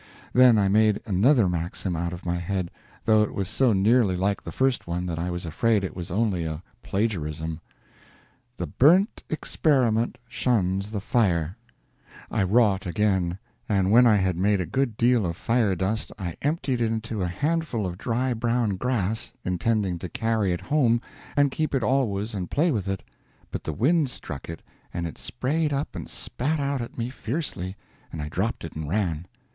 Then I made another maxim out of my head, though it was so nearly like the first one that I was afraid it was only a plagiarism: "The burnt experiment shuns the fire." I wrought again; and when I had made a good deal of fire dust I emptied it into a handful of dry brown grass, intending to carry it home and keep it always and play with it; but the wind struck it and it sprayed up and spat out at me fiercely, and I dropped it and ran.